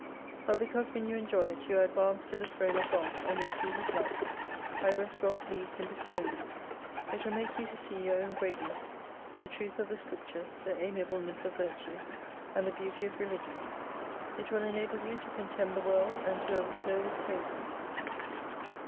But because when you enjoy it you are advanced to the Throne of God and may see His Love ; I rest well pleased in bestowing it. It will make you to see your own greatness, the truth of the Scriptures, the amiableness of Virtue, and the beauty of Religion. It will enable you to contemn the world, and to overflow with praises.